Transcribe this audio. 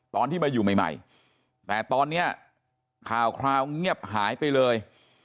ตอนที่มาอยู่ใหม่แต่ตอนนี้ข่าวคราวเงียบหายไปเลย